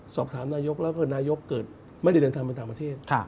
สอบถามนายกแล้วก็นายกเกิดไม่ได้เดินทางไปต่างประเทศ